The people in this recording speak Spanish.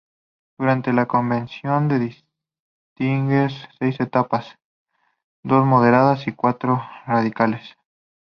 Durante la Convención se distinguen seis etapas: dos moderadas y cuatro más radicales.